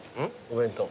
お弁当。